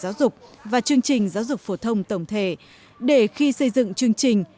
giáo dục và chương trình giáo dục phổ thông tổng thể để khi xây dựng chương trình